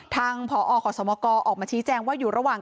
ทางผอขอสมกออกมาชี้แจงว่าอยู่ระหว่าง